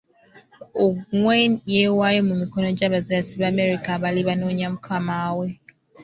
Ongwen yeewaayo mu mikono gy'abajaasi ba Amerika abali banoonya mukama we.